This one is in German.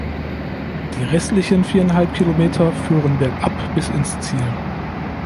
Die restlichen viereinhalb Kilometer führen bergab bis ins Ziel.